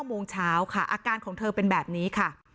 โมงเช้าค่ะอาการของเธอเป็นแบบนี้ค่ะ